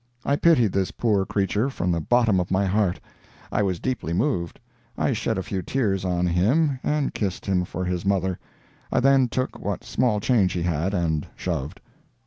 I pitied this poor creature from the bottom of my heart. I was deeply moved. I shed a few tears on him and kissed him for his mother. I then took what small change he had and "shoved."